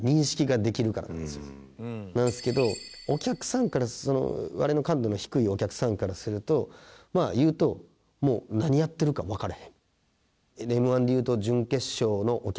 なんですけどお客さんから笑いの感度の低いお客さんからするとまあ言うともう何やってるかわからへん。